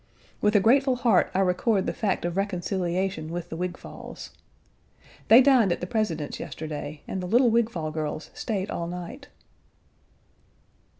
With a grateful heart I record the fact of reconciliation with the Wigfalls. They dined at the President's yesterday and the little Wigfall girls stayed all night.